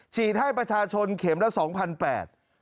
ฉีดให้ประชาชนเข็มละ๒๘๐๐บาท